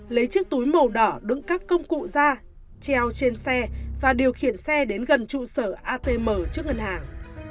lấy chiếc túi màu đỏ đựng các công cụ ra treo trên xe và điều khiển xe đến gần trụ sở atm trước ngân hàng